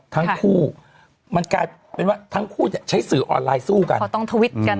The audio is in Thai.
ทั้งคู่มันกลายเป็นว่าทั้งคู่เนี่ยใช้สื่อออนไลน์สู้กันเขาต้องทวิตกัน